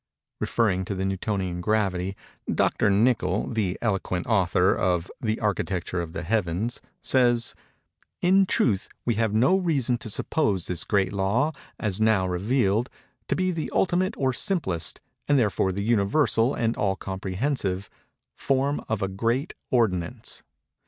Referring to the Newtonian Gravity, Dr. Nichol, the eloquent author of "The Architecture of the Heavens," says:—"In truth we have no reason to suppose this great Law, as now revealed, to be the ultimate or simplest, and therefore the universal and all comprehensive, form of a great Ordinance.